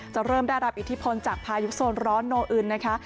จะเริ่มได้รับอิทธิพลจากพายุโซนร้อนโนอึนนะคะ